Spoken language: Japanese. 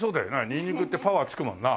ニンニクってパワーつくもんな。